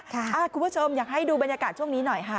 คุณผู้ชมอยากให้ดูบรรยากาศช่วงนี้หน่อยค่ะ